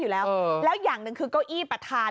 แล้วอย่างหนึ่งคือก้ออี้ประทาน